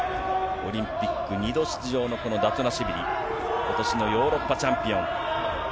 オリンピック２度出場のこのダトゥナシュビリ、ことしのヨーロッパチャンピオン。